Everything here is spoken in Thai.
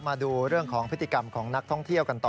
มาดูเรื่องของพฤติกรรมของนักท่องเที่ยวกันต่อ